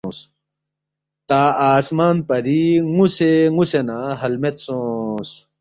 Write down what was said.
تا آسمان پری نُ٘وسے نُ٘وسے نہ ہَل مید سونگس